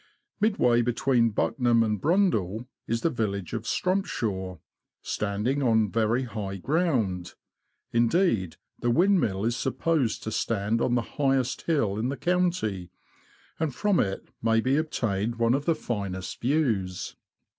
Midway between Buckenham and Brundall is the village of Strumpshaw, standing on very high ground ; indeed, the windmill is supposed to stand on the highest hill in the county, and from it may be obtained one of the finest views.